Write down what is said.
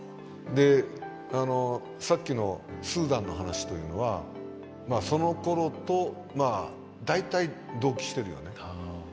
でさっきのスーダンの話というのはそのころと大体同期してるよね。